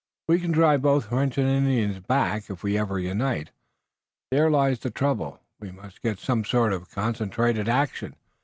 We can drive both French and Indians back, if we ever unite. There lies the trouble. We must get some sort of concentrated action."